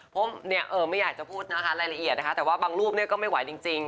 เพราะว่าบางรูปนี้ก็ไม่ไหวจริง